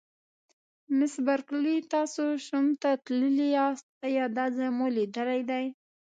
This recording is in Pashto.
مس بارکلي: تاسي سوم ته تللي یاست، ایا دا ځای مو لیدلی دی؟